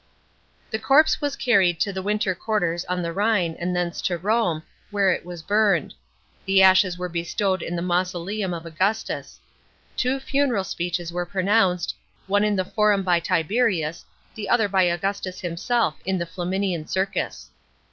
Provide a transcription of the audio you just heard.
'\ he corpse was carried to the winter quarters on the Rhine and thence to Home, where it was burned ; the ashes were bestowed in the mausoleum of Augustus. Two funeral speeches were pronounced, one in the Forum by Tiberius, the other by Augustus himself in the Flaminian Circus.